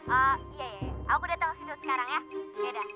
oh iya iya aku dateng ke situ sekarang ya ya dah